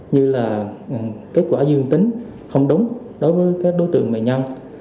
như là kết quả dương tính không đúng đối với đối tượng bài nhân